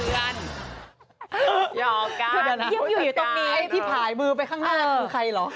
อย่างก่อน๔๑๐๐๐๐ที่ผ่ายมือไปข้างหน้าก็คือใครเหรอ